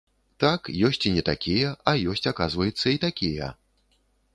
Так, ёсць і не такія, а ёсць, аказваецца, і такія.